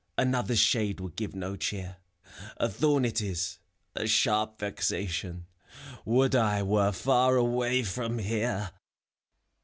Another's shade would give no cheer : A thorn it is, a sharp vexation, — Would I were far away from here